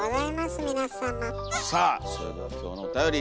さあそれでは今日のおたより。